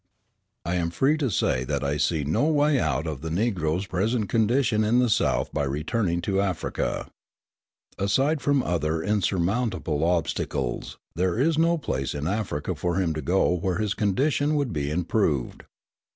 I am free to say that I see no way out of the Negro's present condition in the South by returning to Africa. Aside from other insurmountable obstacles, there is no place in Africa for him to go where his condition would be improved.